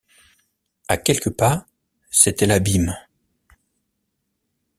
À quelques pas c’était l’abîme.